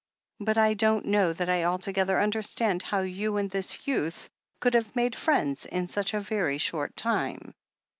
"But I don't know that I alto gether understand how you and this youth could have made friends in such a very short time."